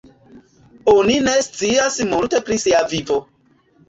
Oni ne scias multe pri sia vivo.